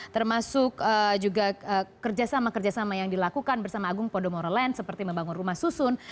termasuk juga kerjasama kerjasama yang dilakukan bersama agung podomoro land seperti membangun rumah susun